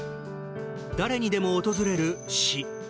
誰にでも訪れる、死。